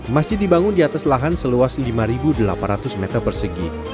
masjid dibangun di atas lahan seluas lima delapan ratus meter persegi